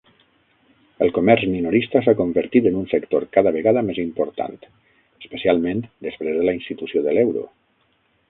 El comerç minorista s'ha convertit en un sector cada vegada més important, especialment després de la institució de l'euro.